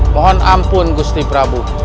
mohon ampun usti prabu